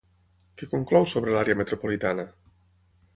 Què conclou sobre l'àrea metropolitana?